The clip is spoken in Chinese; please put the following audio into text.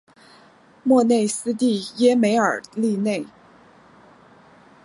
莫内斯蒂耶梅尔利内。